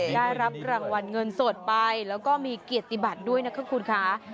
ได้รับรางวัลเงินสดไปแล้วก็มีเกียรติบัติด้วยนะคะคุณคะ